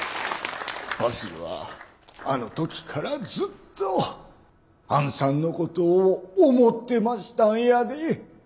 わしはあの時からずっとあんさんのことを思ってましたんやで。